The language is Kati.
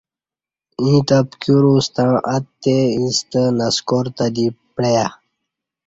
ییں تہ پکیورہ ستݩع اتے اِیݪستہ نسکار تہ دی پعیہ